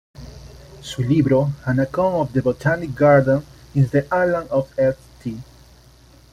Su libro "“An Account of the Botanic Garden in the Island of St.